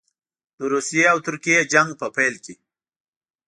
د روسیې او ترکیې جنګ په پیل کې.